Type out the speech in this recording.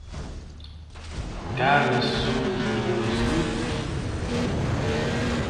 Cales son os mellores libros?